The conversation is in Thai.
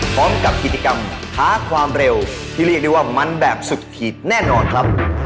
พร้อมกับกิจกรรมหาความเร็วที่เรียกได้ว่ามันแบบสุดขีดแน่นอนครับ